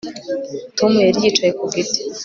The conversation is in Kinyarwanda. Tom yari yicaye ku giti